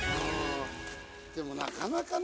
でも、なかなかな。